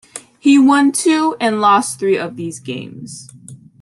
He won two and lost three of these games.